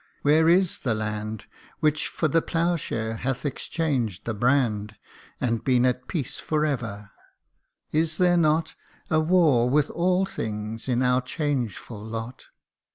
Where is the land Which for the ploughshare hath exchanged the brand, CANTO II. And been at peace for ever ? Is there not A war with all things in our changeful lot